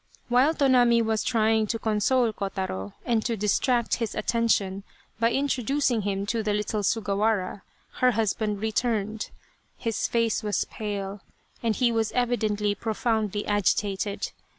While Tonami was trying to console Kotaro, and to distract his attention by introducing him to the little Sugawara, her husband returned. His face was pale, and he was evidently profoundly agitated.